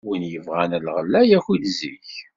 Wi ibɣan lɣella yakwi-d zik!